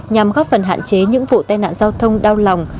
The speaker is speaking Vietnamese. nhằm góp phần hạn chế những vụ tai nạn giao thông đau lòng